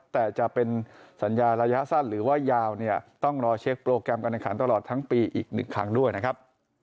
แต่จะเป็นสัญญาระยะสั้นหรือว่ายาวเนี่ยต้องรอเช็คโปรแกรมการแข่งขันตลอดทั้งปีอีกหนึ่งครั้งด้วยนะครับ